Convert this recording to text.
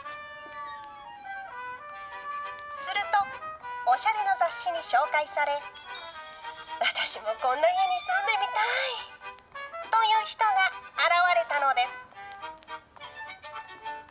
すると、おしゃれな雑誌に紹介され、私もこんな家に住んでみたいという人が現れたのです。